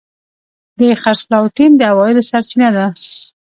د خرڅلاو ټیم د عوایدو سرچینه ده.